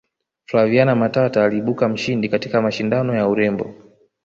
flaviana matata aliibuka mshindi katika mashindano ya urembo